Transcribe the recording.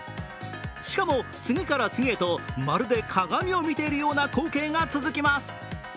しかも、次から次へと、まるで鏡を見ているような光景が続きます。